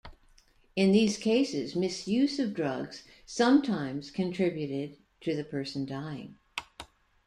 In these cases, misuse of drugs sometimes contributed to the person dying.